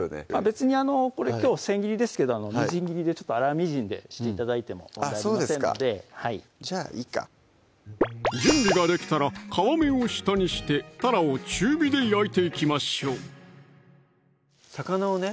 別にきょう千切りですけど粗みじんでして頂いても問題ありませんのでじゃあいいか準備ができたら皮目を下にしてたらを中火で焼いていきましょう魚をね